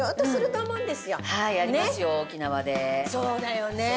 そうだよね。